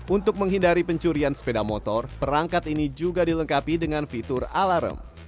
untuk menghindari pencurian sepeda motor perangkat ini juga dilengkapi dengan fitur alarm